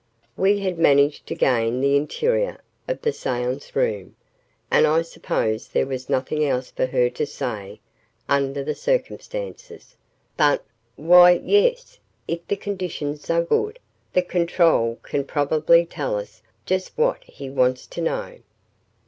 We had managed to gain the interior of the seance room, and I suppose there was nothing else for her to say, under the circumstances, but, "Why yes, if the conditions are good, the control can probably tell us just what he wants to know."